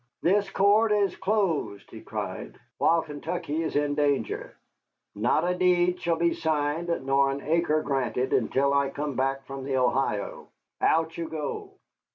"This court is closed," he cried, "while Kentucky is in danger. Not a deed shall be signed nor an acre granted until I come back from the Ohio. Out you go!"